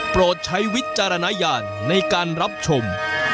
โปรดใช้วิจารณญาณในการรับชม